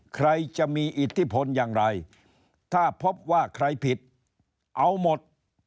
ใครจะมีอิทธิพลอย่างไรถ้าพบว่าใครผิดเอาหมด